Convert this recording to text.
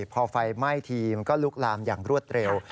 พอไฟไหม้ทีมันก็ลุกลามอย่างรวดเร็ว